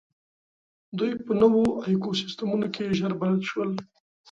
دوی په نوو ایکوسېسټمونو کې ژر بلد شول.